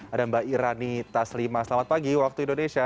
ada mbak irani taslima selamat pagi waktu indonesia